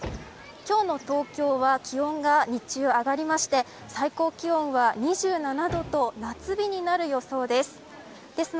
今日の東京は気温が日中上がりまして最高気温は２７度と夏日になる予想です。